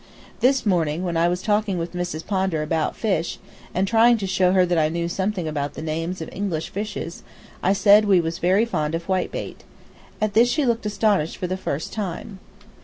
This morning, when I was talking with Miss Pondar about fish, and trying to show her that I knew something about the names of English fishes, I said that we was very fond of whitebait. At this she looked astonished for the first time.